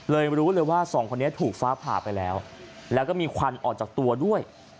รู้เลยว่าสองคนนี้ถูกฟ้าผ่าไปแล้วแล้วก็มีควันออกจากตัวด้วย